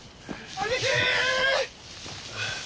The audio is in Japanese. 兄貴！